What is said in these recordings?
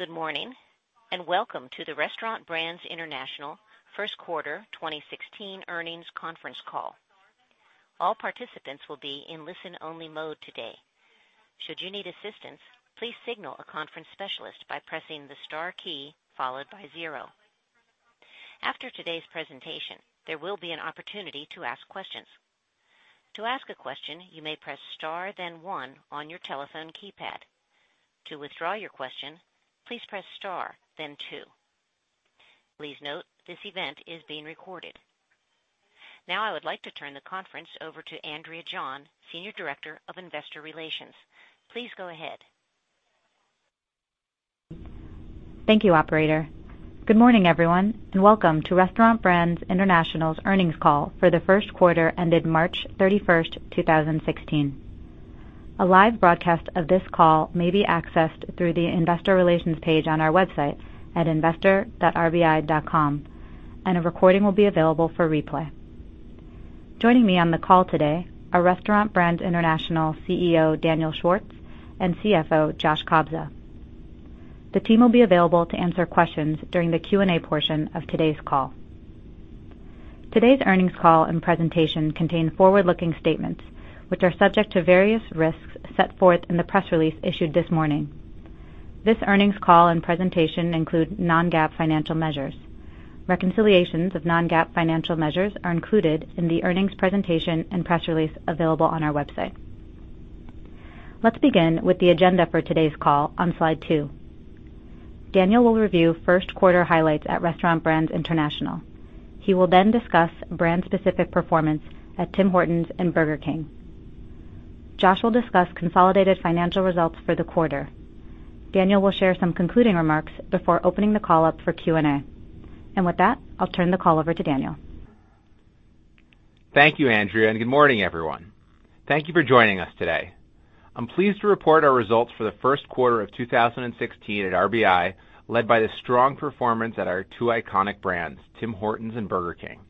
Good morning. Welcome to the Restaurant Brands International First Quarter 2016 Earnings Conference Call. All participants will be in listen-only mode today. Should you need assistance, please signal a conference specialist by pressing the star key followed by zero. After today's presentation, there will be an opportunity to ask questions. To ask a question, you may press star then one on your telephone keypad. To withdraw your question, please press star then two. Please note this event is being recorded. Now I would like to turn the conference over to Andrea John, Senior Director of Investor Relations. Please go ahead. Thank you, operator. Good morning, everyone. Welcome to Restaurant Brands International's earnings call for the first quarter ended March 31st, 2016. A live broadcast of this call may be accessed through the Investor Relations page on our website at investor.rbi.com, and a recording will be available for replay. Joining me on the call today are Restaurant Brands International CEO Daniel Schwartz and CFO Joshua Kobza. The team will be available to answer questions during the Q&A portion of today's call. Today's earnings call and presentation contain forward-looking statements which are subject to various risks set forth in the press release issued this morning. This earnings call and presentation include non-GAAP financial measures. Reconciliations of non-GAAP financial measures are included in the earnings presentation and press release available on our website. Let's begin with the agenda for today's call on slide two. Daniel will review first quarter highlights at Restaurant Brands International. He will then discuss brand-specific performance at Tim Hortons and Burger King. Josh will discuss consolidated financial results for the quarter. Daniel will share some concluding remarks before opening the call up for Q&A. With that, I'll turn the call over to Daniel. Thank you, Andrea, and good morning, everyone. Thank you for joining us today. I'm pleased to report our results for the first quarter of 2016 at RBI, led by the strong performance at our two iconic brands, Tim Hortons and Burger King.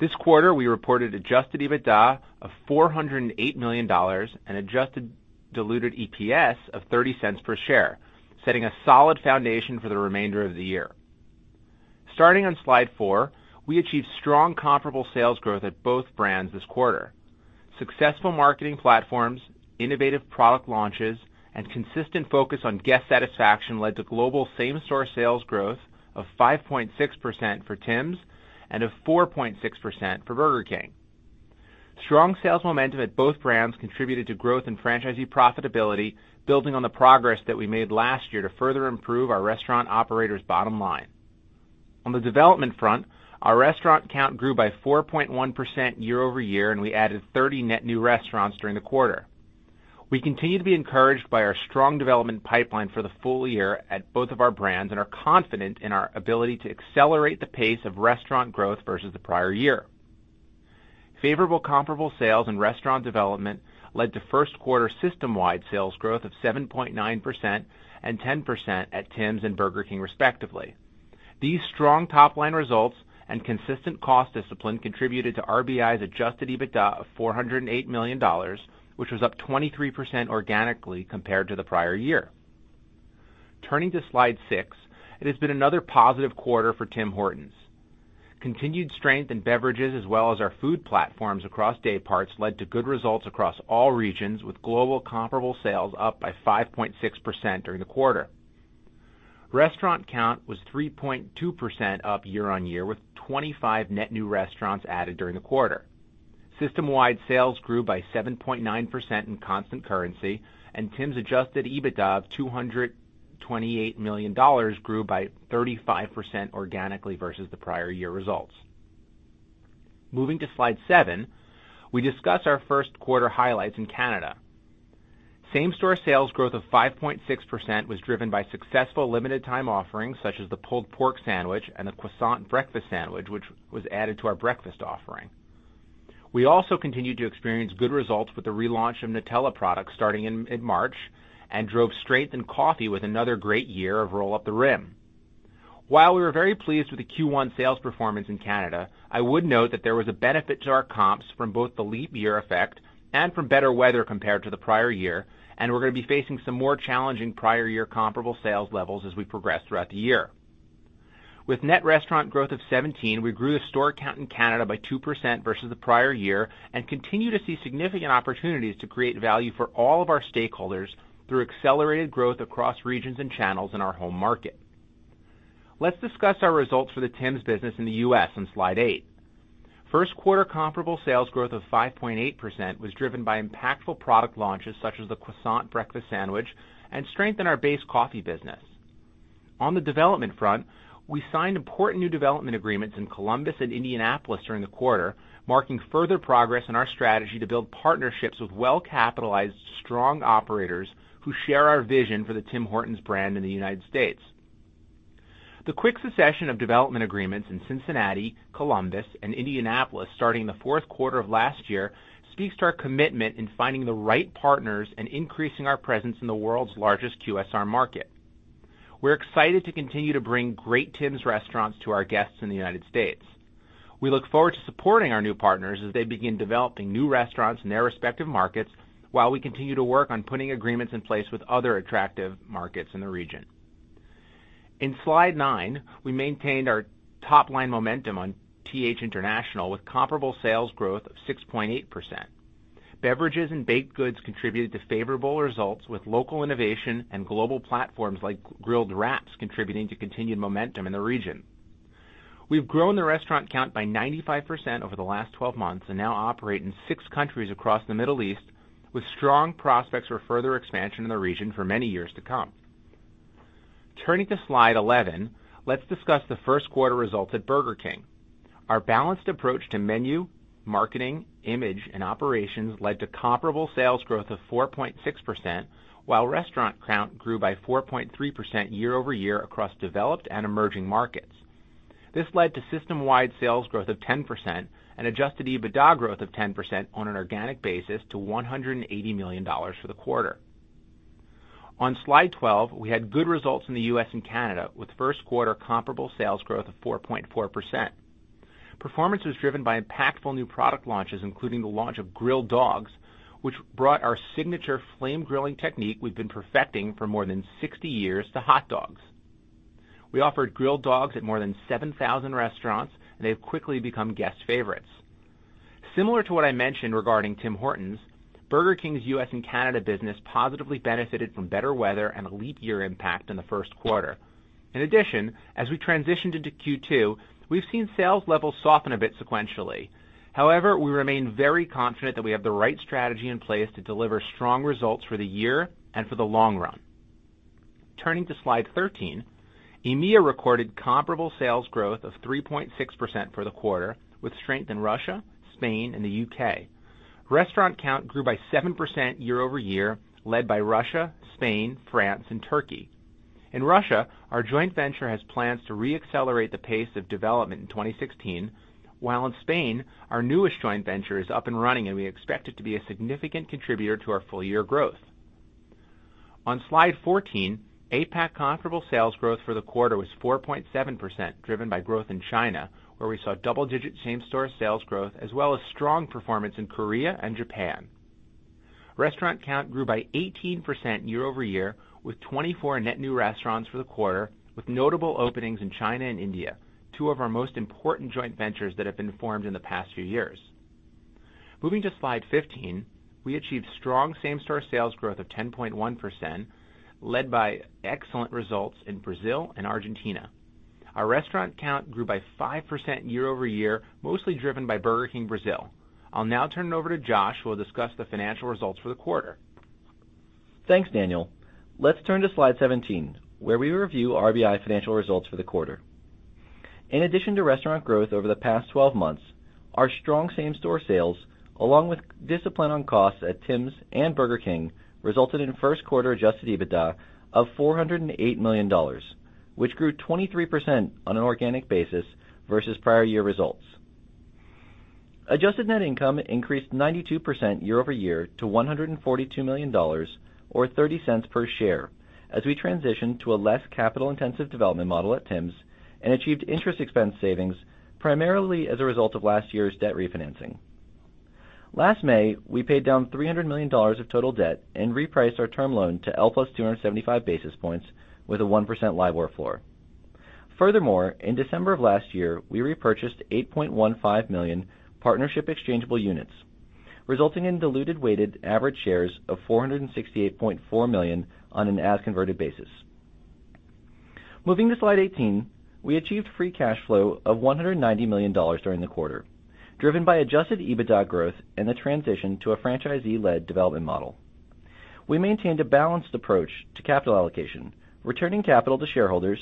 This quarter, we reported Adjusted EBITDA of $408 million and Adjusted Diluted EPS of $0.30 per share, setting a solid foundation for the remainder of the year. Starting on slide four, we achieved strong comparable sales growth at both brands this quarter. Successful marketing platforms, innovative product launches, and consistent focus on guest satisfaction led to global same-store sales growth of 5.6% for Tims and of 4.6% for Burger King. Strong sales momentum at both brands contributed to growth in franchisee profitability, building on the progress that we made last year to further improve our restaurant operators' bottom line. On the development front, our restaurant count grew by 4.1% year-over-year, and we added 30 net new restaurants during the quarter. We continue to be encouraged by our strong development pipeline for the full year at both of our brands and are confident in our ability to accelerate the pace of restaurant growth versus the prior year. Favorable comparable sales and restaurant development led to first quarter system-wide sales growth of 7.9% and 10% at Tims and Burger King, respectively. These strong top-line results and consistent cost discipline contributed to RBI's Adjusted EBITDA of $408 million, which was up 23% organically compared to the prior year. Turning to slide six, it has been another positive quarter for Tim Hortons. Continued strength in beverages as well as our food platforms across dayparts led to good results across all regions, with global comparable sales up by 5.6% during the quarter. Restaurant count was 3.2% up year-on-year, with 25 net new restaurants added during the quarter. System-wide sales grew by 7.9% in constant currency, and Tims Adjusted EBITDA of 228 million dollars grew by 35% organically versus the prior year results. Moving to slide seven, we discuss our first quarter highlights in Canada. Same-store sales growth of 5.6% was driven by successful limited time offerings such as the Pulled Pork Sandwich and the Croissan'wich, which was added to our breakfast offering. We also continued to experience good results with the relaunch of Nutella products starting in mid-March and drove strength in coffee with another great year of Roll Up The Rim. While we were very pleased with the Q1 sales performance in Canada, I would note that there was a benefit to our comps from both the leap year effect and from better weather compared to the prior year. We're going to be facing some more challenging prior year comparable sales levels as we progress throughout the year. With net restaurant growth of 17, we grew the store count in Canada by 2% versus the prior year and continue to see significant opportunities to create value for all of our stakeholders through accelerated growth across regions and channels in our home market. Let's discuss our results for the Tims business in the U.S. on slide eight. First quarter comparable sales growth of 5.8% was driven by impactful product launches such as the Croissan'wich and strength in our base coffee business. On the development front, we signed important new development agreements in Columbus and Indianapolis during the quarter, marking further progress in our strategy to build partnerships with well-capitalized strong operators who share our vision for the Tim Hortons brand in the United States. The quick succession of development agreements in Cincinnati, Columbus, and Indianapolis starting in the fourth quarter of last year speaks to our commitment in finding the right partners and increasing our presence in the world's largest QSR market. We're excited to continue to bring great Tims restaurants to our guests in the United States. We look forward to supporting our new partners as they begin developing new restaurants in their respective markets while we continue to work on putting agreements in place with other attractive markets in the region. In slide nine, we maintained our top-line momentum on TH International with comparable sales growth of 6.8%. Beverages and baked goods contributed to favorable results with local innovation and global platforms like grilled wraps contributing to continued momentum in the region. We've grown the restaurant count by 95% over the last 12 months and now operate in six countries across the Middle East, with strong prospects for further expansion in the region for many years to come. Turning to slide 11, let's discuss the first quarter results at Burger King. Our balanced approach to menu, marketing, image, and operations led to comparable sales growth of 4.6% while restaurant count grew by 4.3% year-over-year across developed and emerging markets. This led to system-wide sales growth of 10% and Adjusted EBITDA growth of 10% on an organic basis to $180 million for the quarter. On slide 12, we had good results in the U.S. and Canada, with first quarter comparable sales growth of 4.4%. Performance was driven by impactful new product launches, including the launch of Grilled Dogs, which brought our signature flame grilling technique we've been perfecting for more than 60 years to hot dogs. We offered Grilled Dogs at more than 7,000 restaurants, and they have quickly become guest favorites. Similar to what I mentioned regarding Tim Hortons, Burger King's U.S. and Canada business positively benefited from better weather and a leap year impact in the first quarter. In addition, as we transitioned into Q2, we've seen sales levels soften a bit sequentially. However, we remain very confident that we have the right strategy in place to deliver strong results for the year and for the long run. Turning to slide 13, EMEA recorded comparable sales growth of 3.6% for the quarter, with strength in Russia, Spain, and the U.K. Restaurant count grew by 7% year-over-year, led by Russia, Spain, France, and Turkey. In Russia, our joint venture has plans to re-accelerate the pace of development in 2016, while in Spain, our newest joint venture is up and running, and we expect it to be a significant contributor to our full-year growth. On slide 14, APAC comparable sales growth for the quarter was 4.7%, driven by growth in China, where we saw double-digit same-store sales growth as well as strong performance in Korea and Japan. Restaurant count grew by 18% year-over-year, with 24 net new restaurants for the quarter, with notable openings in China and India, two of our most important joint ventures that have been formed in the past few years. Moving to slide 15, we achieved strong same-store sales growth of 10.1%, led by excellent results in Brazil and Argentina. Our restaurant count grew by 5% year-over-year, mostly driven by Burger King Brazil. I'll now turn it over to Josh, who will discuss the financial results for the quarter. Thanks, Daniel. Let's turn to slide 17, where we review RBI financial results for the quarter. In addition to restaurant growth over the past 12 months, our strong same-store sales, along with discipline on costs at Tims and Burger King, resulted in first quarter Adjusted EBITDA of $408 million, which grew 23% on an organic basis versus prior year results. Adjusted net income increased 92% year-over-year to 142 million dollars, or $0.30 per share, as we transition to a less capital-intensive development model at Tims and achieved interest expense savings, primarily as a result of last year's debt refinancing. Last May, we paid down 300 million dollars of total debt and repriced our term loan to L plus 275 basis points with a 1% LIBOR floor. Furthermore, in December of last year, we repurchased 8.15 million partnership exchangeable units, resulting in diluted weighted average shares of 468.4 million on an as-converted basis. Moving to slide 18, we achieved free cash flow of 190 million dollars during the quarter, driven by Adjusted EBITDA growth and the transition to a franchisee-led development model. We maintained a balanced approach to capital allocation, returning capital to shareholders,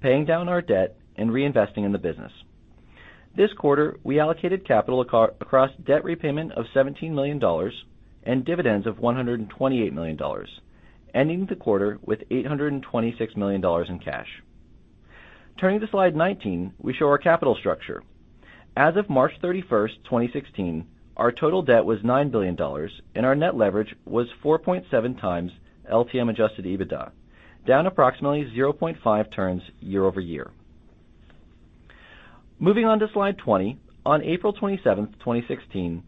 paying down our debt, and reinvesting in the business. This quarter, we allocated capital across debt repayment of 17 million dollars and dividends of 128 million dollars, ending the quarter with 826 million dollars in cash. Turning to slide 19, we show our capital structure. As of March 31st, 2016, our total debt was 9 billion dollars, and our net leverage was 4.7 times LTM Adjusted EBITDA, down approximately 0.5 turns year-over-year. Moving on to slide 20. On April 27th, 2016,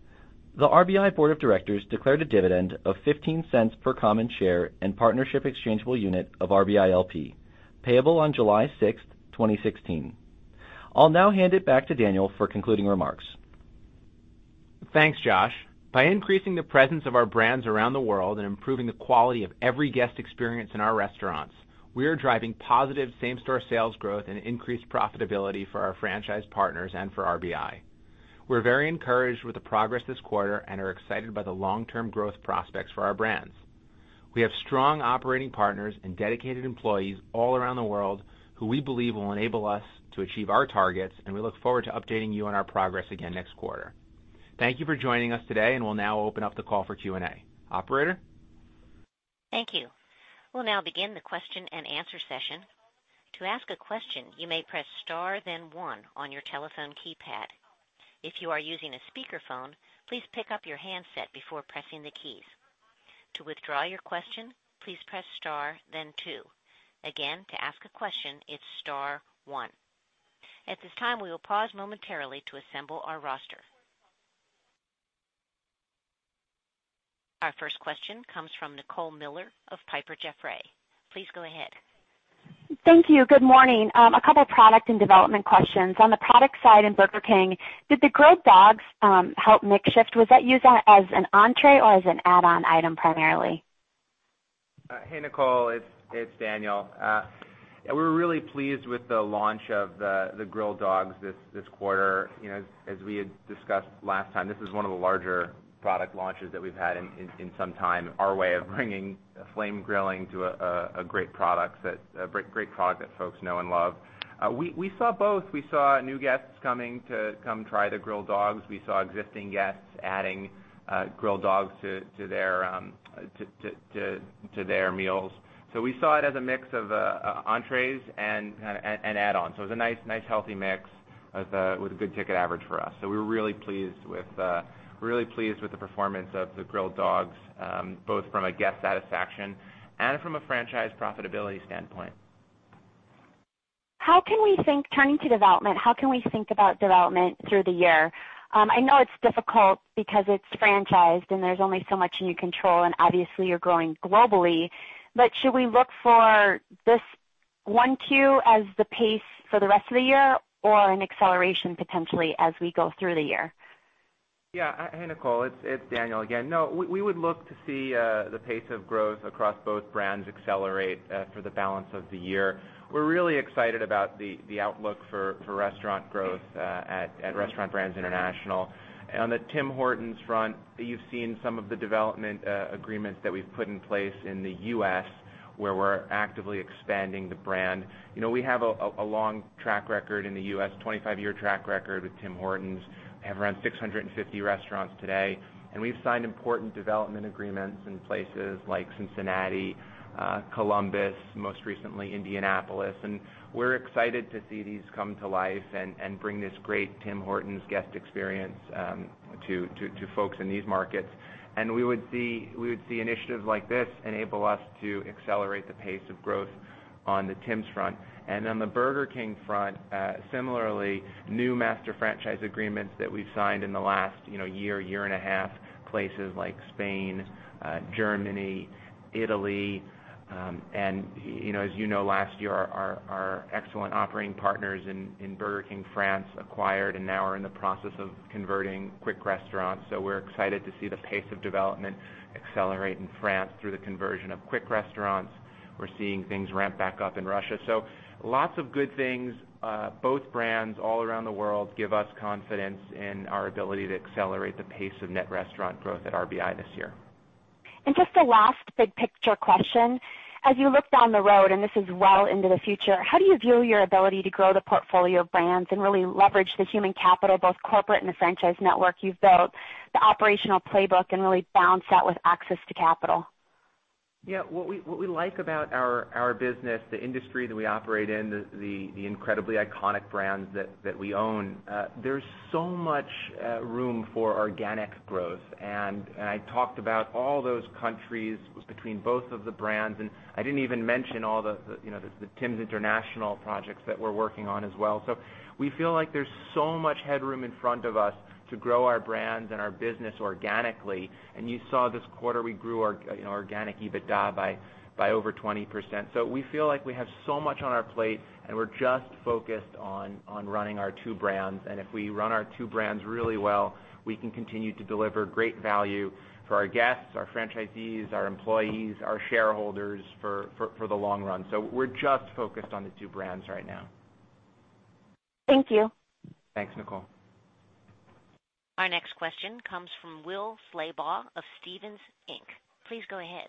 the RBI board of directors declared a dividend of 0.15 per common share and partnership exchangeable unit of RBI LP, payable on July 6th, 2016. I'll now hand it back to Daniel for concluding remarks. Thanks, Josh. By increasing the presence of our brands around the world and improving the quality of every guest experience in our restaurants, we are driving positive same-store sales growth and increased profitability for our franchise partners and for RBI. We're very encouraged with the progress this quarter and are excited by the long-term growth prospects for our brands. We have strong operating partners and dedicated employees all around the world who we believe will enable us to achieve our targets, and we look forward to updating you on our progress again next quarter. Thank you for joining us today, and we'll now open up the call for Q&A. Operator? Thank you. We'll now begin the question and answer session. To ask a question, you may press star one on your telephone keypad. If you are using a speakerphone, please pick up your handset before pressing the keys. To withdraw your question, please press star two. Again, to ask a question, it's star one. At this time, we will pause momentarily to assemble our roster. Our first question comes from Nicole Miller of Piper Jaffray. Please go ahead. Thank you. Good morning. A couple product and development questions. On the product side in Burger King, did the Grilled Dogs help mix shift? Was that used as an entrée or as an add-on item primarily? Hey, Nicole. It's Daniel. We're really pleased with the launch of the Grilled Dogs this quarter. As we had discussed last time, this is one of the larger product launches that we've had in some time, our way of bringing flame grilling to a great product that folks know and love. We saw both. We saw new guests coming to come try the Grilled Dogs. We saw existing guests adding Grilled Dogs to their meals. We saw it as a mix of entrées and add-ons. It was a nice healthy mix with a good ticket average for us. We're really pleased with the performance of the Grilled Dogs, both from a guest satisfaction and from a franchise profitability standpoint. Turning to development, how can we think about development through the year? I know it's difficult because it's franchised and there's only so much in your control, and obviously you're growing globally. Should we look for this 1Q as the pace for the rest of the year, or an acceleration potentially as we go through the year? Yeah. Hey, Nicole. It's Daniel again. We would look to see the pace of growth across both brands accelerate for the balance of the year. We're really excited about the outlook for restaurant growth at Restaurant Brands International. On the Tim Hortons front, you've seen some of the development agreements that we've put in place in the U.S. where we're actively expanding the brand. We have a long track record in the U.S., 25-year track record with Tim Hortons, have around 650 restaurants today, and we've signed important development agreements in places like Cincinnati, Columbus, most recently Indianapolis. We're excited to see these come to life and bring this great Tim Hortons guest experience to folks in these markets. We would see initiatives like this enable us to accelerate the pace of growth on the Tims front. On the Burger King front, similarly, new master franchise agreements that we've signed in the last year and a half, places like Spain, Germany, Italy. As you know, last year, our excellent operating partners in Burger King France acquired and now are in the process of converting Quick restaurants. We're excited to see the pace of development accelerate in France through the conversion of Quick restaurants. We're seeing things ramp back up in Russia. Lots of good things. Both brands all around the world give us confidence in our ability to accelerate the pace of net restaurant growth at RBI this year. Just a last big picture question. As you look down the road, this is well into the future, how do you view your ability to grow the portfolio of brands and really leverage the human capital, both corporate and the franchise network you've built, the operational playbook, and really balance that with access to capital? Yeah. What we like about our business, the industry that we operate in, the incredibly iconic brands that we own, there's so much room for organic growth. I talked about all those countries between both of the brands, I didn't even mention all the Tims international projects that we're working on as well. We feel like there's so much headroom in front of us to grow our brands and our business organically. You saw this quarter, we grew our organic EBITDA by over 20%. We feel like we have so much on our plate, we're just focused on running our two brands. If we run our two brands really well, we can continue to deliver great value for our guests, our franchisees, our employees, our shareholders for the long run. We're just focused on the two brands right now. Thank you. Thanks, Nicole. Our next question comes from Will Slabaugh of Stephens Inc. Please go ahead.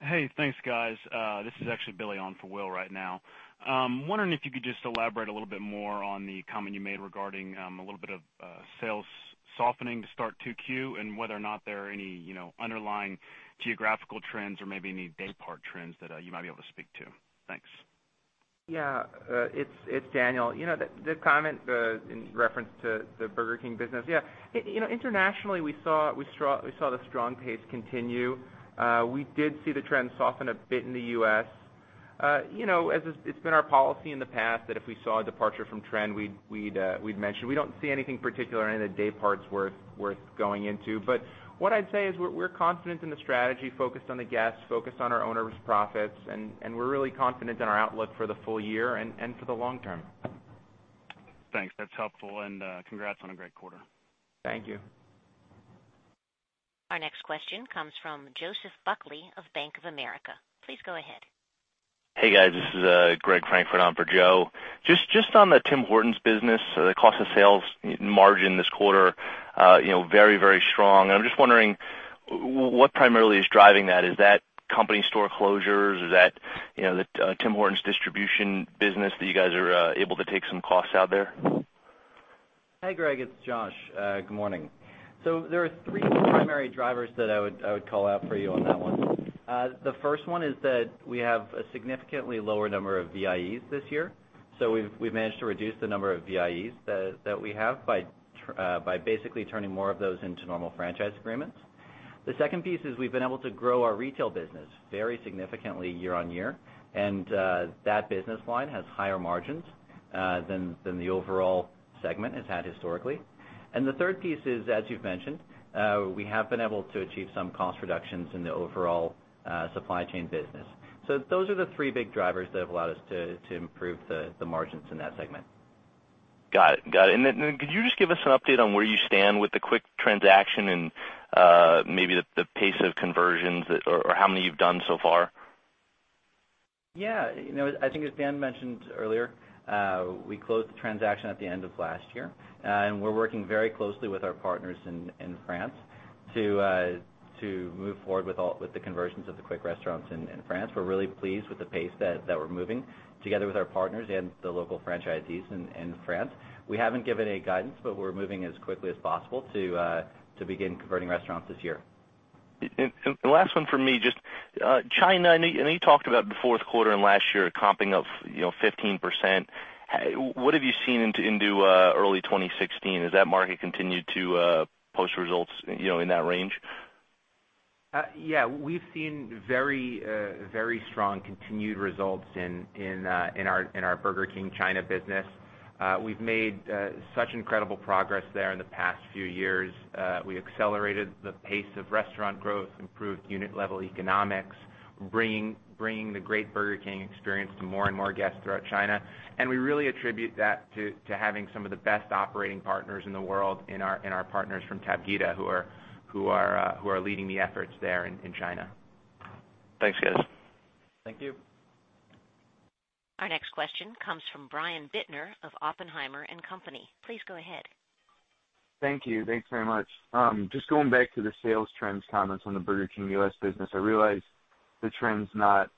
Hey, thanks guys. This is actually Billy on for Will right now. Wondering if you could just elaborate a little bit more on the comment you made regarding a little bit of sales softening to start 2Q and whether or not there are any underlying geographical trends or maybe any day part trends that you might be able to speak to. Thanks. It's Daniel. The comment in reference to the Burger King business. Internationally, we saw the strong pace continue. We did see the trend soften a bit in the U.S. As it's been our policy in the past that if we saw a departure from trend, we'd mention. We don't see anything particular in the day parts worth going into. What I'd say is we're confident in the strategy, focused on the guests, focused on our owners' profits, and we're really confident in our outlook for the full year and for the long term. Thanks. That's helpful and congrats on a great quarter. Thank you. Our next question comes from Joseph Buckley of Bank of America. Please go ahead. Hey, guys. This is Greg Francfort on for Joe. On the Tim Hortons business, the cost of sales margin this quarter, very strong. I'm just wondering what primarily is driving that. Is that company store closures? Is that the Tim Hortons distribution business that you guys are able to take some costs out there? Hi, Greg, it's Josh. Good morning. There are three primary drivers that I would call out for you. The first one is that we have a significantly lower number of VIEs this year. We've managed to reduce the number of VIEs that we have by basically turning more of those into normal franchise agreements. The second piece is we've been able to grow our retail business very significantly year-over-year, and that business line has higher margins than the overall segment has had historically. The third piece is, as you've mentioned, we have been able to achieve some cost reductions in the overall supply chain business. Those are the three big drivers that have allowed us to improve the margins in that segment. Got it. Could you just give us an update on where you stand with the Quick transaction and maybe the pace of conversions or how many you've done so far? Yeah. I think as Dan mentioned earlier, we closed the transaction at the end of last year, and we're working very closely with our partners in France to move forward with the conversions of the Quick restaurants in France. We're really pleased with the pace that we're moving together with our partners and the local franchisees in France. We haven't given any guidance, but we're moving as quickly as possible to begin converting restaurants this year. The last one for me, just China, I know you talked about the fourth quarter and last year comping up 15%. What have you seen into early 2016? Has that market continued to post results in that range? Yeah. We've seen very strong continued results in our Burger King China business. We've made such incredible progress there in the past few years. We accelerated the pace of restaurant growth, improved unit-level economics, bringing the great Burger King experience to more and more guests throughout China. We really attribute that to having some of the best operating partners in the world in our partners from Tab Gida, who are leading the efforts there in China. Thanks, guys. Thank you. Our next question comes from Brian Bittner of Oppenheimer and Company. Please go ahead. Thank you. Thanks very much. Just going back to the sales trends comments on the Burger King U.S. business. I realize the trend's not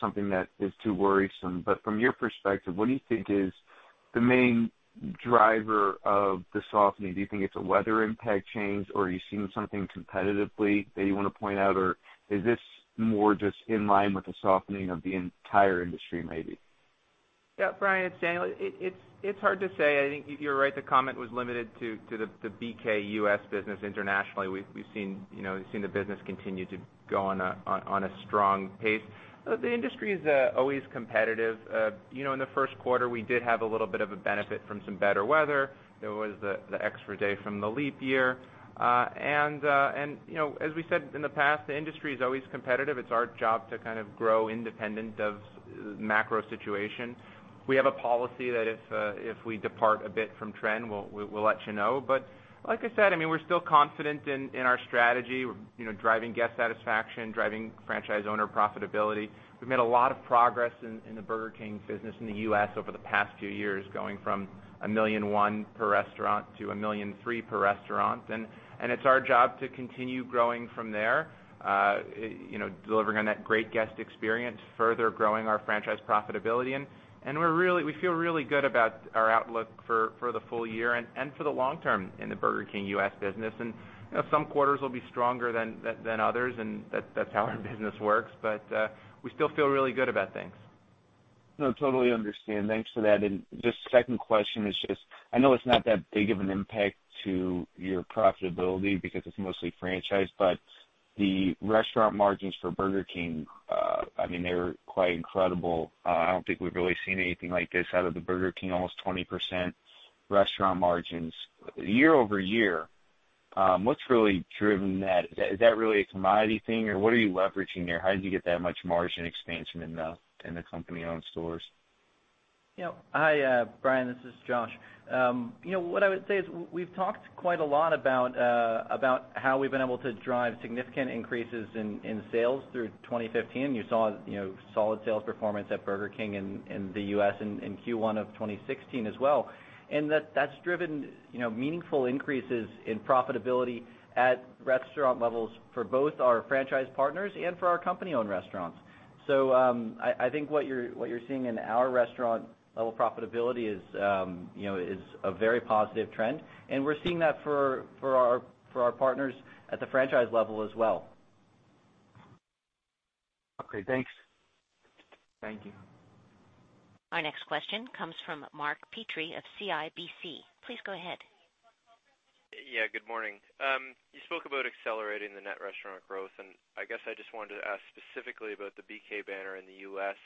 something that is too worrisome, but from your perspective, what do you think is the main driver of the softening? Do you think it's a weather impact change, or are you seeing something competitively that you want to point out, or is this more just in line with the softening of the entire industry maybe? Yeah, Brian, it's Daniel. It's hard to say. I think you're right, the comment was limited to the BK U.S. business internationally. We've seen the business continue to go on a strong pace. The industry is always competitive. In the first quarter, we did have a little bit of a benefit from some better weather. There was the extra day from the leap year. As we said in the past, the industry is always competitive. It's our job to kind of grow independent of macro situation. We have a policy that if we depart a bit from trend, we'll let you know. Like I said, we're still confident in our strategy, driving guest satisfaction, driving franchise owner profitability. We've made a lot of progress in the Burger King business in the U.S. over the past few years, going from 1.1 million per restaurant to 1.3 million per restaurant. It's our job to continue growing from there, delivering on that great guest experience, further growing our franchise profitability, and we feel really good about our outlook for the full year and for the long term in the Burger King U.S. business. Some quarters will be stronger than others, and that's how our business works, but we still feel really good about things. No, totally understand. Thanks for that. Just second question is, I know it's not that big of an impact to your profitability because it's mostly franchise, but the restaurant margins for Burger King, they're quite incredible. I don't think we've really seen anything like this out of Burger King, almost 20% restaurant margins year-over-year. What's really driven that? Is that really a commodity thing, or what are you leveraging there? How did you get that much margin expansion in the company-owned stores? Hi, Brian. This is Josh. What I would say is we've talked quite a lot about how we've been able to drive significant increases in sales through 2015. You saw solid sales performance at Burger King in the U.S. in Q1 of 2016 as well. That's driven meaningful increases in profitability at restaurant levels for both our franchise partners and for our company-owned restaurants. I think what you're seeing in our restaurant-level profitability is a very positive trend, and we're seeing that for our partners at the franchise level as well. Okay, thanks. Thank you. Our next question comes from Mark Petrie of CIBC. Please go ahead. Good morning. You spoke about accelerating the net restaurant growth. I guess I just wanted to ask specifically about the BK banner in the U.S.,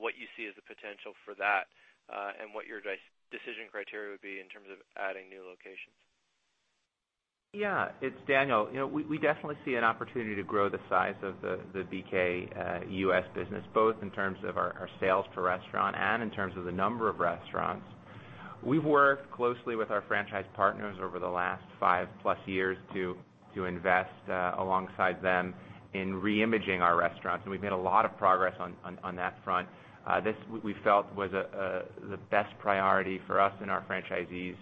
what you see as the potential for that, and what your decision criteria would be in terms of adding new locations. Yeah. It's Daniel. We definitely see an opportunity to grow the size of the BK U.S. business, both in terms of our sales per restaurant and in terms of the number of restaurants. We've worked closely with our franchise partners over the last five-plus years to invest alongside them in re-imaging our restaurants, and we've made a lot of progress on that front. This, we felt, was the best priority for us and our franchisees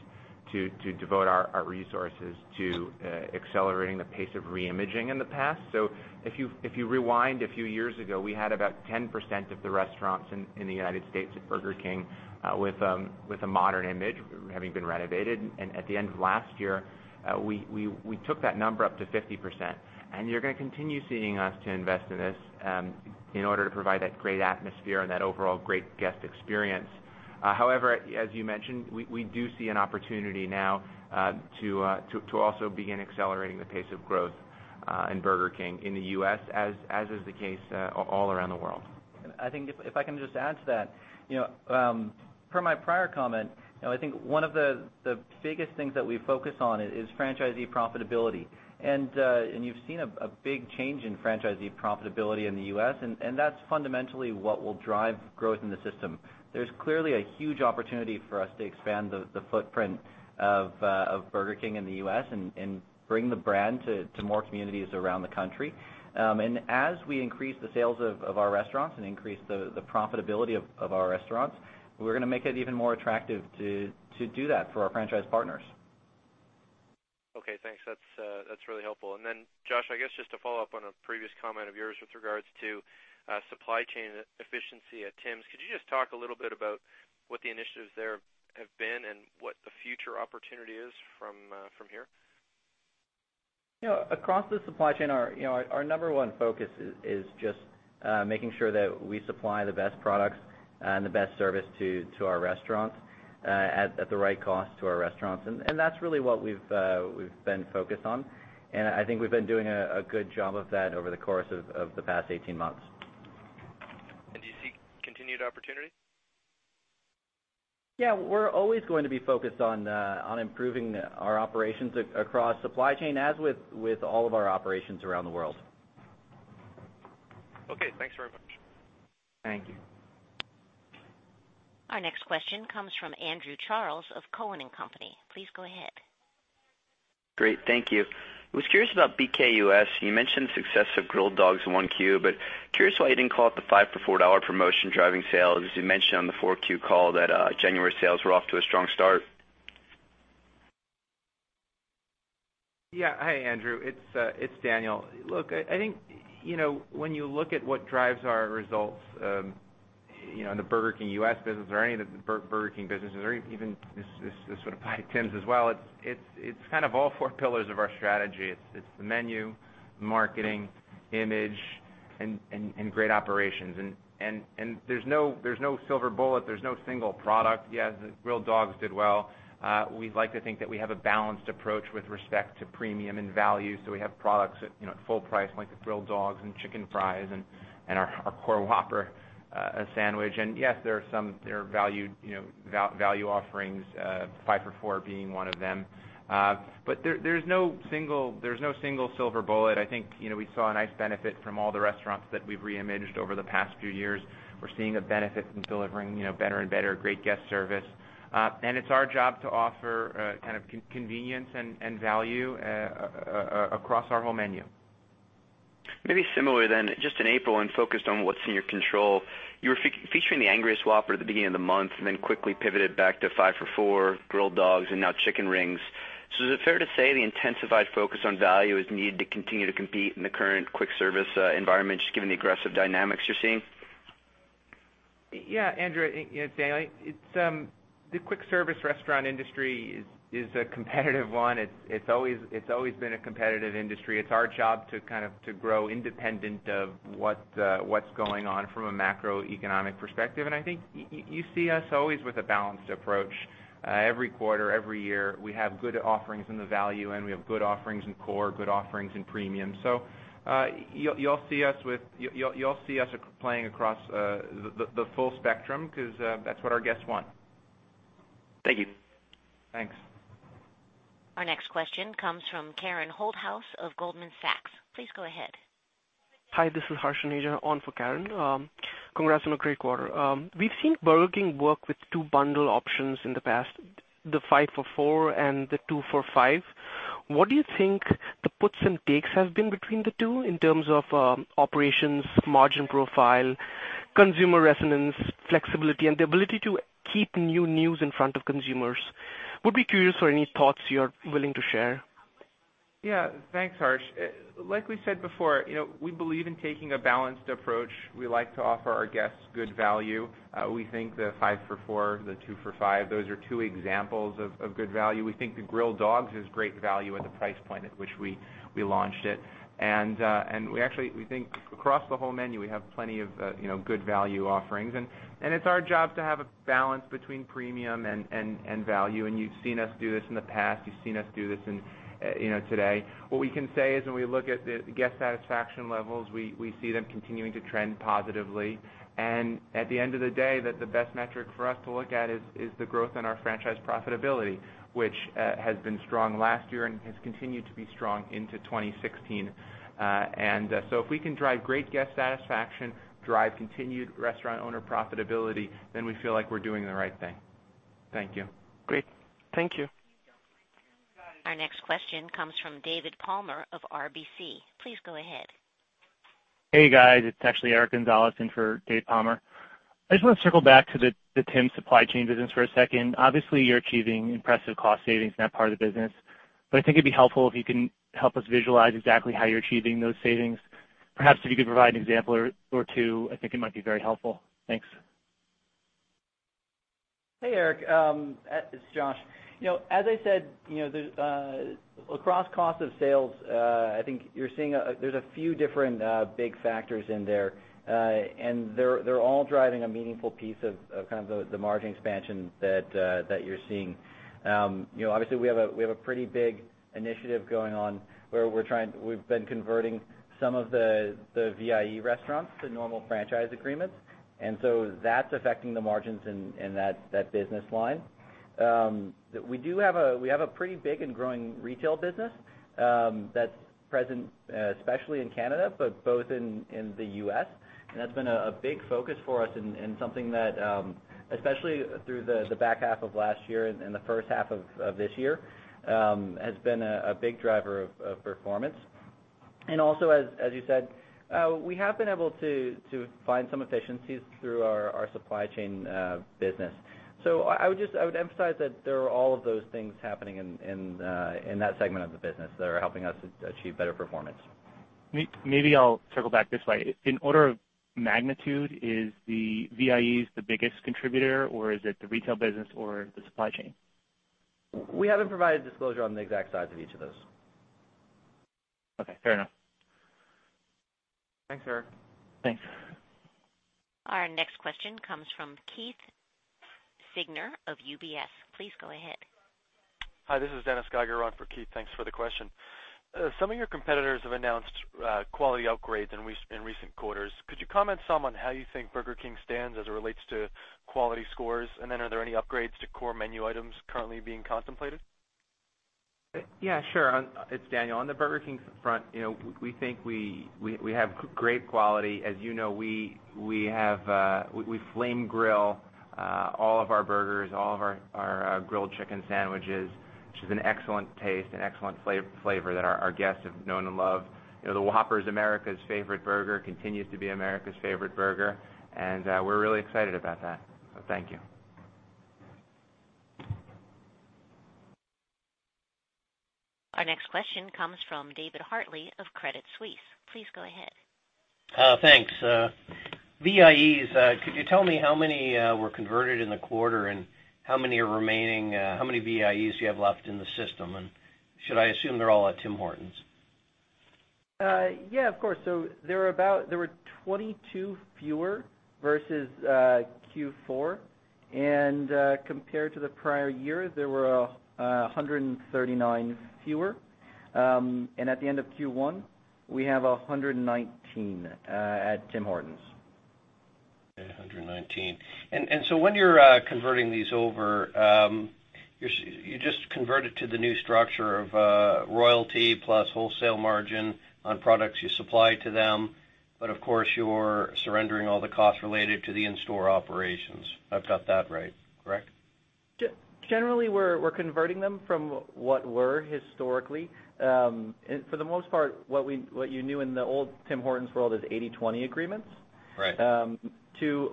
to devote our resources to accelerating the pace of re-imaging in the past. If you rewind a few years ago, we had about 10% of the restaurants in the United States at Burger King with a modern image, having been renovated. At the end of last year, we took that number up to 50%. You're going to continue seeing us to invest in this in order to provide that great atmosphere and that overall great guest experience. However, as you mentioned, we do see an opportunity now to also begin accelerating the pace of growth in Burger King in the U.S., as is the case all around the world. I think if I can just add to that. From my prior comment, I think one of the biggest things that we focus on is franchisee profitability. You've seen a big change in franchisee profitability in the U.S., and that's fundamentally what will drive growth in the system. There's clearly a huge opportunity for us to expand the footprint of Burger King in the U.S. and bring the brand to more communities around the country. As we increase the sales of our restaurants and increase the profitability of our restaurants, we're going to make it even more attractive to do that for our franchise partners. Okay, thanks. That's really helpful. Then Josh, I guess just to follow up on a previous comment of yours with regards to supply chain efficiency at Tims. Could you just talk a little bit about what the initiatives there have been and what the future opportunity is from here? Across the supply chain, our number one focus is just making sure that we supply the best products and the best service to our restaurants at the right cost to our restaurants. That's really what we've been focused on. I think we've been doing a good job of that over the course of the past 18 months. Do you see continued opportunity? Yeah, we're always going to be focused on improving our operations across supply chain, as with all of our operations around the world. Okay, thanks very much. Thank you. Our next question comes from Andrew Charles of Cowen and Company. Please go ahead. Great. Thank you. Was curious about BK U.S. You mentioned success of Grilled Dogs in 1Q, curious why you didn't call out the 5 for $4 promotion driving sales, as you mentioned on the 4Q call that January sales were off to a strong start. Hi, Andrew, it's Daniel. Look, I think, when you look at what drives our results, in the Burger King U.S. business or any of the Burger King businesses, or even this would apply to Tims as well. It's kind of all four pillars of our strategy. It's the menu, marketing, image, and great operations. There's no silver bullet. There's no single product. The Grilled Dogs did well. We'd like to think that we have a balanced approach with respect to premium and value. We have products at full price, like the Grilled Dogs and Chicken Fries and our core Whopper sandwich. Yes, there are value offerings, 5 for $4 being one of them. There's no single silver bullet. I think we saw a nice benefit from all the restaurants that we've reimaged over the past few years. We're seeing a benefit from delivering better and better great guest service. It's our job to offer kind of convenience and value across our whole menu. Maybe similar then, just in April and focused on what's in your control. You were featuring the Angriest Whopper at the beginning of the month and then quickly pivoted back to 5 for $4 Grilled Dogs and now Chicken Rings. Is it fair to say the intensified focus on value is needed to continue to compete in the current quick-service environment, just given the aggressive dynamics you're seeing? Yeah, Andrew, it's Daniel. The quick service restaurant industry is a competitive one. It's always been a competitive industry. It's our job to kind of grow independent of what's going on from a macroeconomic perspective. I think you see us always with a balanced approach. Every quarter, every year, we have good offerings in the value end, we have good offerings in core, good offerings in premium. You'll see us playing across the full spectrum because that's what our guests want. Thank you. Thanks. Our next question comes from Karen Holthouse of Goldman Sachs. Please go ahead. Hi, this is Keith on for Karen. Congrats on a great quarter. We've seen Burger King work with two bundle options in the past, the 5 for $4 and the 2 for $5. What do you think the puts and takes have been between the two in terms of operations, margin profile, consumer resonance, flexibility, and the ability to keep new news in front of consumers? Would be curious for any thoughts you're willing to share. Yeah. Thanks, Harsh. Like we said before, we believe in taking a balanced approach. We like to offer our guests good value. We think the 5 for $4, the 2 for $5, those are two examples of good value. We think the Grilled Dogs is great value at the price point at which we launched it. We actually think across the whole menu, we have plenty of good value offerings, and it's our job to have a balance between premium and value. You've seen us do this in the past. You've seen us do this today. What we can say is when we look at the guest satisfaction levels, we see them continuing to trend positively. At the end of the day, the best metric for us to look at is the growth in our franchise profitability, which has been strong last year and has continued to be strong into 2016. So if we can drive great guest satisfaction, drive continued restaurant owner profitability, then we feel like we're doing the right thing. Thank you. Great. Thank you. Our next question comes from David Palmer of RBC. Please go ahead. Hey, guys. It's actually Eric Gonzalez in for Dave Palmer. I just want to circle back to the Tims supply chain business for a second. Obviously, you're achieving impressive cost savings in that part of the business. I think it'd be helpful if you can help us visualize exactly how you're achieving those savings. Perhaps if you could provide an example or two, I think it might be very helpful. Thanks. Hey, Eric, it's Josh. As I said, across cost of sales, I think you're seeing there's a few different big factors in there. They're all driving a meaningful piece of kind of the margin expansion that you're seeing. Obviously, we have a pretty big initiative going on where we've been converting some of the VIE restaurants to normal franchise agreements. That's affecting the margins in that business line. We have a pretty big and growing retail business that's present, especially in Canada, but both in the U.S. That's been a big focus for us and something that, especially through the back half of last year and the first half of this year, has been a big driver of performance. Also, as you said, we have been able to find some efficiencies through our supply chain business. I would emphasize that there are all of those things happening in that segment of the business that are helping us achieve better performance. Maybe I'll circle back this way. In order of magnitude, is the VIEs the biggest contributor, or is it the retail business or the supply chain? We haven't provided disclosure on the exact size of each of those. Okay, fair enough. Thanks, Eric. Thanks. Our next question comes from Keith Siegner of UBS. Please go ahead. Hi, this is Dennis Geiger on for Keith. Thanks for the question. Some of your competitors have announced quality upgrades in recent quarters. Could you comment some on how you think Burger King stands as it relates to quality scores? Are there any upgrades to core menu items currently being contemplated? Yeah, sure. It's Daniel. On the Burger King front, we think we have great quality. As you know, we flame-grill all of our burgers, all of our grilled chicken sandwiches, which is an excellent taste, an excellent flavor that our guests have known and love. The Whopper is America's favorite burger, continues to be America's favorite burger, we're really excited about that. Thank you. Our next question comes from David Hartley of Credit Suisse. Please go ahead. Thanks. VIEs, could you tell me how many were converted in the quarter, and how many are remaining? How many VIEs do you have left in the system? Should I assume they're all at Tim Hortons? Yeah, of course. There were 22 fewer versus Q4, compared to the prior year, there were 139 fewer. At the end of Q1, we have 119 at Tim Hortons. Okay, 119. When you're converting these over, you just convert it to the new structure of royalty plus wholesale margin on products you supply to them. Of course, you're surrendering all the costs related to the in-store operations. I've got that right, correct? Generally, we're converting them from what were historically, for the most part, what you knew in the old Tim Hortons world as 80/20 agreements. Right to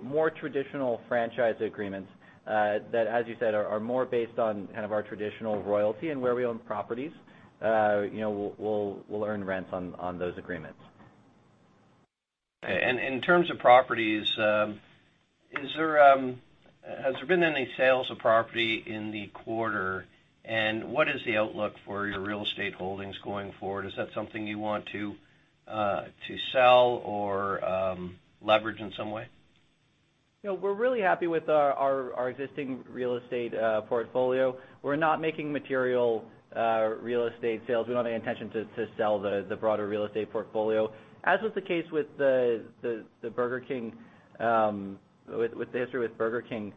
more traditional franchise agreements that, as you said, are more based on kind of our traditional royalty and where we own properties. We'll earn rents on those agreements. Okay, in terms of properties, has there been any sales of property in the quarter, and what is the outlook for your real estate holdings going forward? Is that something you want to sell or leverage in some way? We're really happy with our existing real estate portfolio. We're not making material real estate sales. We don't have any intention to sell the broader real estate portfolio. As was the case with the history with Burger King,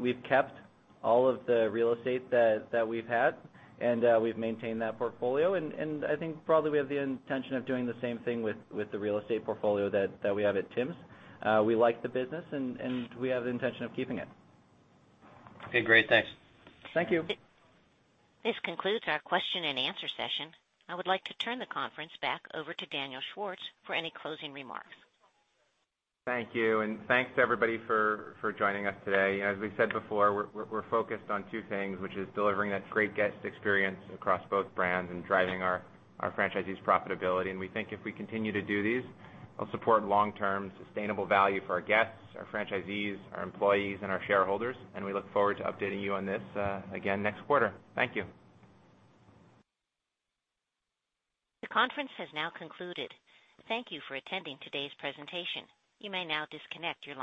we've kept all of the real estate that we've had, and we've maintained that portfolio, and I think probably we have the intention of doing the same thing with the real estate portfolio that we have at Tims. We like the business, and we have the intention of keeping it. Okay, great. Thanks. Thank you. This concludes our question and answer session. I would like to turn the conference back over to Daniel Schwartz for any closing remarks. Thank you, and thanks, everybody, for joining us today. As we said before, we're focused on two things, which is delivering that great guest experience across both brands and driving our franchisees' profitability. We think if we continue to do these, it'll support long-term sustainable value for our guests, our franchisees, our employees, and our shareholders, and we look forward to updating you on this again next quarter. Thank you. The conference has now concluded. Thank you for attending today's presentation. You may now disconnect your line.